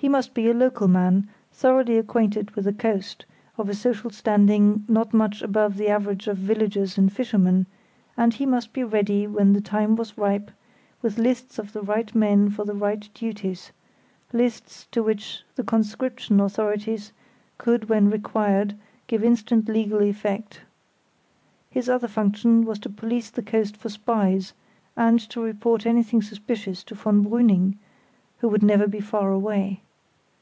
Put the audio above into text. He must be a local man, thoroughly acquainted with the coast, of a social standing not much above the average of villagers and fishermen, and he must be ready when the time was ripe with lists of the right men for the right duties, lists to which the conscription authorities could when required, give instant legal effect. His other function was to police the coast for spies, and to report anything suspicious to von Brüning, who would never be far away.